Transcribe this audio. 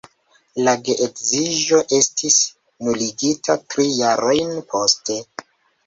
La geedziĝo estis nuligita tri jarojn poste.